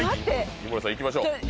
井森さんいきましょう。